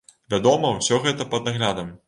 Вядома, усё гэта пад наглядам.